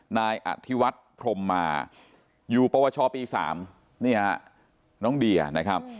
นายอธิวัฒน์พรมมาอยู่ประวัติศาสตร์ปีสามนี่ฮะน้องเดียนะครับ